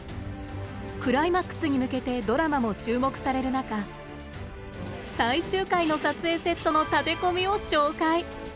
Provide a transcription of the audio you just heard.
クライマックスに向けてドラマも注目される中最終回の撮影セットの建て込みを紹介！